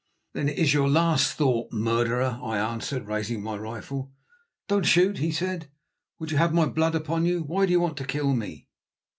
"Then it is your last thought, murderer," I answered, raising my rifle. "Don't shoot," he said. "Would you have my blood upon you? Why do you want to kill me?"